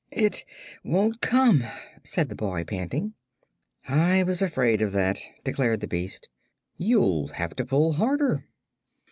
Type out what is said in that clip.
"It won't come," said the boy, panting. "I was afraid of that," declared the beast. "You'll have to pull harder."